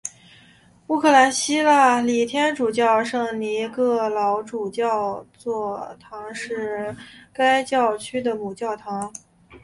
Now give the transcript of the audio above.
乌克兰希腊礼天主教圣尼各老主教座堂是该教区的母教堂。